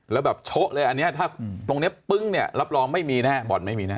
แล้วแบบโช๊ะเลยอันนี้ถ้าตรงนี้ปึ้งเนี่ยรับรองไม่มีแน่บ่อนไม่มีแน่